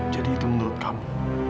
jadi itu menurut kamu